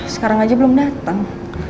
sekarang aja belum dateng